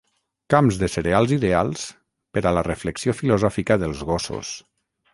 Camps de cereals ideals per a la reflexió filosòfica dels gossos.